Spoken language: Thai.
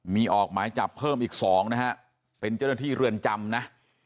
มีออกหมายจับเพิ่มอีก๒นะฮะเป็นเจ้าหน้าที่เรือนจำนะ